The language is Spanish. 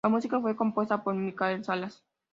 La música fue compuesta por Mikel Salas.